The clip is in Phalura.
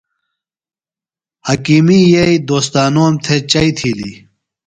حکیمی یئییۡ دوستانوم تھےۡ چئی تِھیلیۡ۔